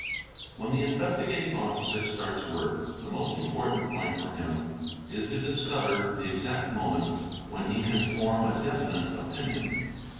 When the Investigating. Officer starts work, the most important point for him is to discover the exadtufioment when he can form a definite opinion.